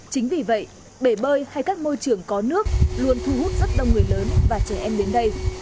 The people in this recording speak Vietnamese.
chính vì vậy bể bơi hay các môi trường có nước luôn thu hút rất đông người lớn và trẻ em đến đây